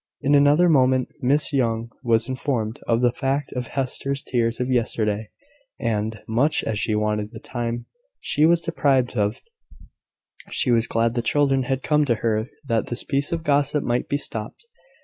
In another moment Miss Young was informed of the fact of Hester's tears of yesterday; and, much as she wanted the time she was deprived of; she was glad the children had come to her, that this piece of gossip might be stopped.